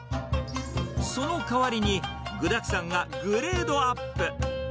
その代わりに、具だくさんがグレードアップ。